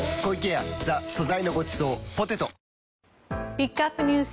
ピックアップＮＥＷＳ